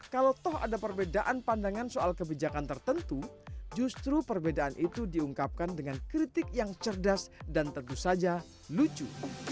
kalau toh ada perbedaan pandangan soal kebijakan tertentu justru perbedaan itu diungkapkan dengan kritik yang cerdas dan tentu saja lucu